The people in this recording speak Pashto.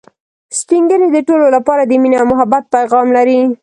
سپین ږیری د ټولو لپاره د ميني او محبت پیغام لري